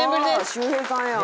秀平さんや。